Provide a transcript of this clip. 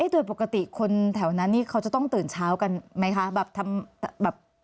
ด้วยปกติคนแถวนั้นนี้เขาจะต้องตื่นเช้ากันจะไหมคะ